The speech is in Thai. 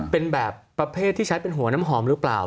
เป็นแบบประเภทที่ใช้เป็นหัวน้ำหอมหรือเปล่า